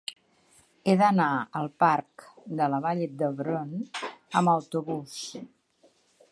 He d'anar al parc de la Vall d'Hebron amb autobús.